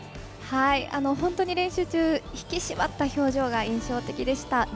本当に練習中引き締まった表情が印象的でした。